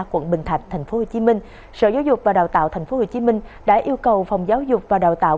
quận bình thạnh tp hcm sở giáo dục và đào tạo tp hcm đã yêu cầu phòng giáo dục và đào tạo